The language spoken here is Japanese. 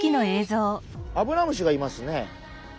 アブラムシがいますね。